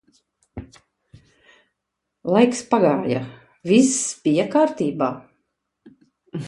Laiks pagāja, viss bija kārtībā.